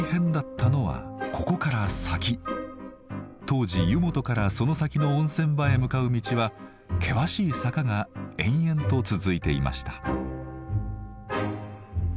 当時湯本からその先の温泉場へ向かう道は険しい坂が延々と続いていました。